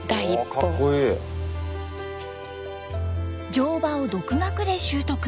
乗馬を独学で習得。